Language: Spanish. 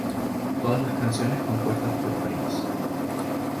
Todas las canciones compuestas por Prince.